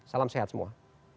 salam sehat semua